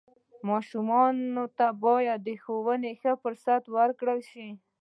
ماشومانو ته باید د ښوونې فرصت ورکړل شي.